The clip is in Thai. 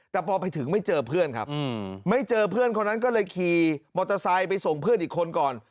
แต่พอไปถึงไม่เจอเพื่อนครับไม่เจอเพื่อนคนนั้นก็เลยขี่มอเตอร์ไซค์ไปส่งเพื่อนอีกคนก่อน